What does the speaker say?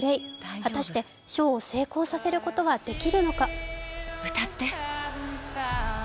果たして、ショーを成功させることはできるのか。